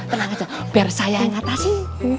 tenang aja biar saya yang atasi